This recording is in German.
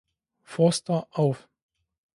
Forster" auf.